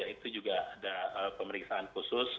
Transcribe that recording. itu juga ada pemeriksaan khusus